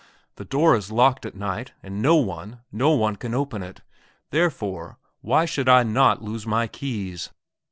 The door is locked at night, and no one, no one can open it; therefore, why should I not lose my keys?